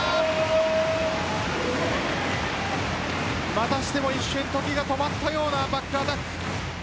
またしても一瞬時が止まったようなバックアタック。